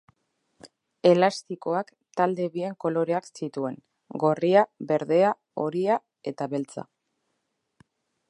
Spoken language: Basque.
Elastikoak talde bien koloreak zituen, gorria, berdea, horia eta beltza.